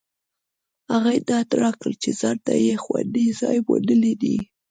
هغې ډاډ راکړ چې ځانته یې خوندي ځای موندلی دی